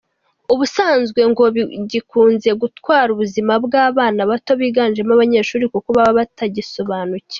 Ubusanzwe ngo gikunze gutwara ubuzima bw’abana bato biganjemo abanyeshuri kuko baba batagisobanukiwe.